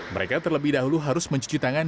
mereka terlebih dahulu harus mencuci tangan